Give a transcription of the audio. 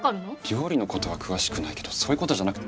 料理のことは詳しくないけどそういうことじゃなくて。